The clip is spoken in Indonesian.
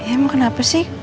em kenapa sih